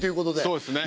そうですね。